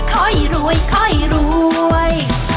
ค่อยรวยค่อยรวย